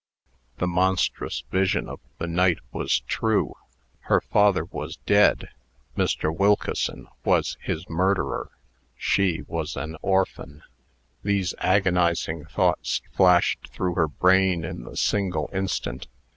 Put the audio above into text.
The monstrous vision of the night was true! Her father was dead! Mr. Wilkeson was his murderer! She was an orphan! These agonizing thoughts flashed through her brain in the single instant.